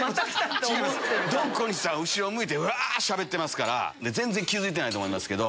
ドン小西さんは後ろ向いてうわしゃべってますから全然気付いてないと思います。